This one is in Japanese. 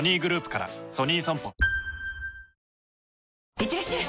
いってらっしゃい！